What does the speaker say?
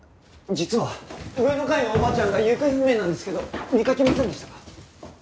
実は上の階のおばあちゃんが行方不明なんですけど見かけませんでしたか？